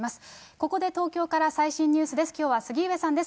ここで東京から最新ニュースです。